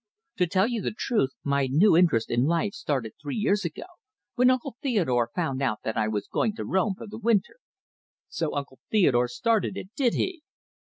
To tell you the truth, my new interest in life started three years ago, when Uncle Theodore found out that I was going to Rome for the winter." "So Uncle Theodore started it, did he?"